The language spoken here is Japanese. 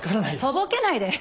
とぼけないで。